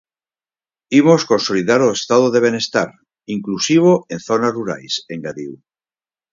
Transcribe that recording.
"Imos consolidar o Estado de Benestar inclusivo en zonas rurais", engadiu.